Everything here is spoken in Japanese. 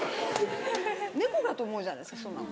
猫がと思うじゃないですかそんなの。